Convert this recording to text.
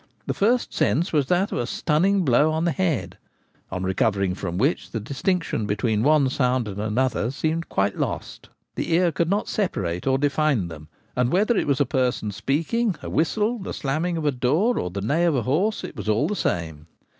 The first sense was that of a stunning blow on the head ; on recovering from which the distinction between one sound and another seemed quite lost. The ear could not separate or define them, and whether it was a person speaking, a whistle, the slamming of a door, or the neigh of a horse, it was all the same.